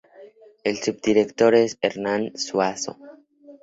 El subdirector es Hernán Zuazo.